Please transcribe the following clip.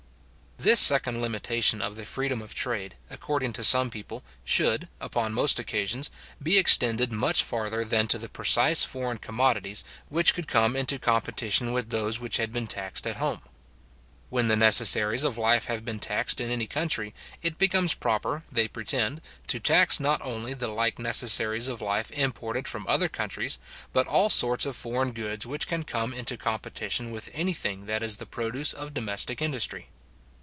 This second limitation of the freedom of trade, according to some people, should, upon most occasions, be extended much farther than to the precise foreign commodities which could come into competition with those which had been taxed at home. When the necessaries of life have been taxed in any country, it becomes proper, they pretend, to tax not only the like necessaries of life imported from other countries, but all sorts of foreign goods which can come into competition with any thing that is the produce of domestic industry.